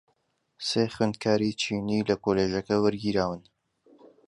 سێ خوێندکاری چینی لە کۆلیژەکە وەرگیراون.